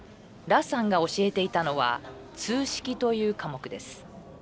羅さんが教えていたのは通識という科目です。